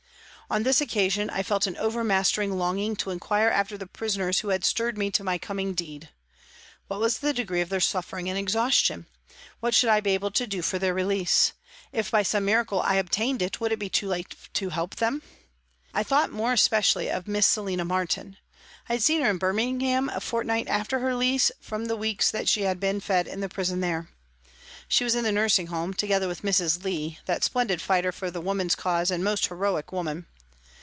On this occasion I felt an overmastering longing to inquire after the prisoners who had stirred me to my coming deed. What was JANE WARTON 243 the degree of their suffering and exhaustion ? What should I be able to do for their release ? If by some miracle I obtained it, would it be too late to help them ? I thought more especially of Miss Selina Martin. I had seen her in Birmingham a fortnight after her release from the weeks that she had been fed in the prison there. She was in the nursing home, together with Mrs. Leigh, that splendid fighter for the women's cause and most heroic woman.